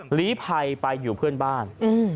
หลีภัยไปอยู่เพื่อนบ้าน